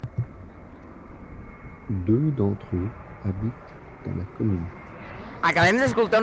Deux d'entre eux habitent dans la commune.